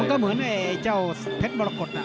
มันก็เหมือนไอ้เจ้าเผ็ดบรรกฎอะ